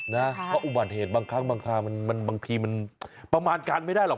เพราะอุบัติเหตุบางครั้งบางคราวบางทีมันประมาณการไม่ได้หรอก